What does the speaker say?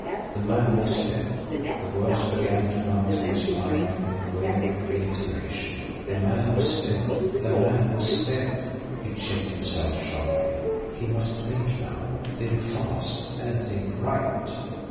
The man was dead! The words began to run through his mind in a queer reiteration. The man was dead the man was dead! He checked himself sharply. He must think now think fast, and think RIGHT.